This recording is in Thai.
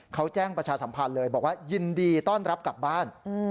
เขาแจ้งประชาสัมพันธ์เลยบอกว่ายินดีต้อนรับกลับบ้าน